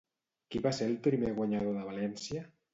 Qui va ser el primer guanyador de València?